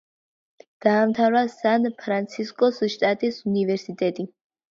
დაამთავრა სან-ფრანცისკოს შტატის უნივერსიტეტი.